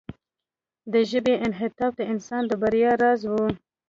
د ژبې انعطاف د انسان د بریا راز و.